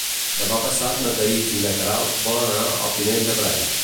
Demà passat na Thaís i na Queralt volen anar al Pinell de Brai.